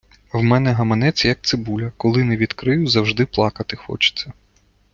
В мене гаманець, як цибуля - коли не відкрию, завжди плакати хочеться.